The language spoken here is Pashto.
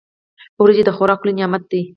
وريجي د خوراک لوی نعمت دی.